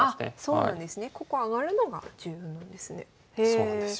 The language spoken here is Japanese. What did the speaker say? そうなんですよ